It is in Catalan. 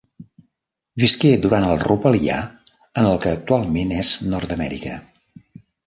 Visqué durant el Rupelià en el que actualment és Nord-amèrica.